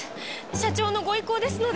社長のご意向ですので。